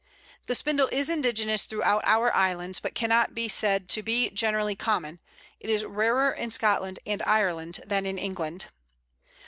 The Spindle is indigenous throughout our islands, but cannot be said to be generally common; it is rarer in Scotland and Ireland than in England.